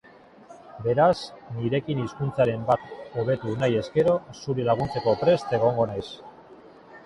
Beraz, nirekin hizkuntzaren bat hobetu nahi ezkero, zuri laguntzeko prest egongo naiz.